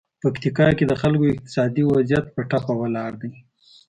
پکتیکا کې د خلکو اقتصادي وضعیت په ټپه ولاړ دی.